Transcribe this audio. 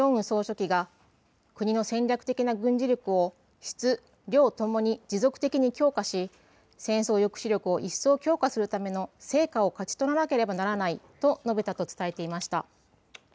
総書記が国の戦略的な軍事力を質、量、ともに持続的に強化し戦争抑止力を一層強化するための成果を勝ち取らなければならないと述べたと伝えていました。